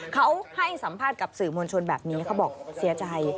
เขาให้สัมภาษณ์กับสื่อมวลชนแบบนี้เขาบอกเสียใจ